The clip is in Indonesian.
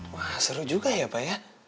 wah seru juga ya pak ya